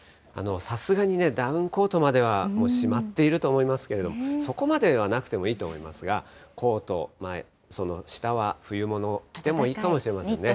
さすがにダウンコートまではしまっていると思いますけれども、そこまではなくてもいいと思いますが、コート、その下は冬物を着てもいいかもしれませんね。